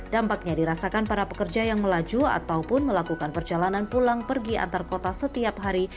dampaknya dirasakan para pekerja yang melaju ataupun melakukan perjalanan pulang pergi antar kota setiap hari